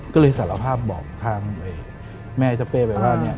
ก็เลยสารภาพบอกทางแม่เจ้าเป้ไปว่าเนี่ย